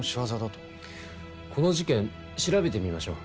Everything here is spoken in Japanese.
この事件調べてみましょう。